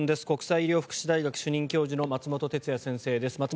国際医療福祉大学主任教授の松本哲哉先生です。